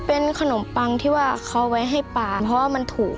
เป็นขนมปังที่ว่าเขาไว้ให้ปลาเพราะว่ามันถูก